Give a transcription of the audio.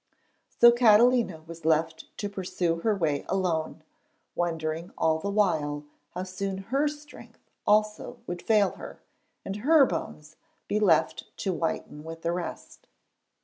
So Catalina was left to pursue her way alone, wondering all the while how soon her strength also would fail her, and her bones be left to whiten with the rest.